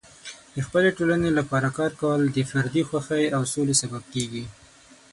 د خپلې ټولنې لپاره کار کول د فردي خوښۍ او د سولې سبب کیږي.